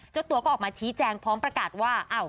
เจ้าตัวก็ออกมาชี้แจงพร้อมประกาศว่า